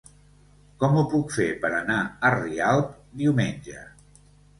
Com ho puc fer per anar a Rialp diumenge?